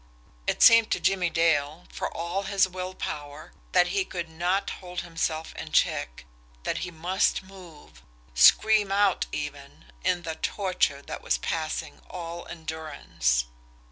It seemed to Jimmie Dale, for all his will power, that he could not hold himself in check, that he must move, scream out even in the torture that was passing all endurance.